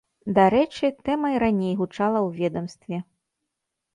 Дарэчы, тэма і раней гучала ў ведамстве.